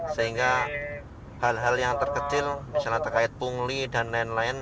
sehingga hal hal yang terkecil misalnya terkait pungli dan lain lain